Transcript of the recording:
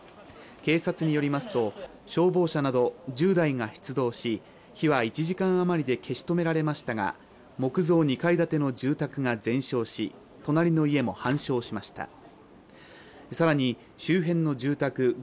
警察によりますと消防車など１０台が出動し火は１時間余りで消し止められましたが木造２階建ての住宅が全焼し、隣の家も半焼しました。